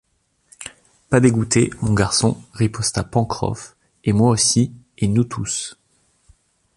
Pas dégoûté, mon garçon, riposta Pencroff, et moi aussi, et nous tous